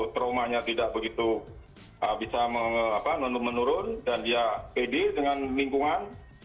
traumanya tidak begitu bisa menurun dan dia pede dengan lingkungan